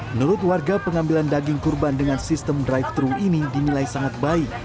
menurut warga pengambilan daging kurban dengan sistem drive thru ini dinilai sangat baik